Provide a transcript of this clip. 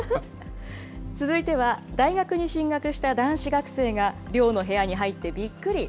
続いては、大学に進学した男子学生が、寮の部屋に入ってびっくり。